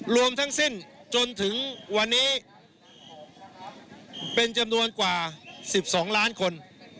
รวมทั้งสิ้นจนถึงวันนี้เป็นจำนวนกว่า๑๒ล้านคน